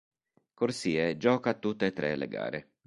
Corsie gioca tutte e tre le gare.